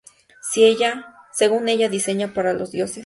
Según ella, diseña para los dioses.